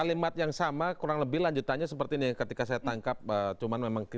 kalimat yang sama kurang lebih lanjutannya seperti ini ketika saya tangkap cuman memang